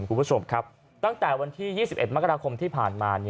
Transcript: คุณผู้ชมครับตั้งแต่วันที่๒๑มกราคมที่ผ่านมา